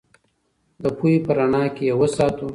د پوهې په رڼا کې یې وساتو.